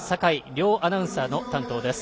両アナウンサーの担当です。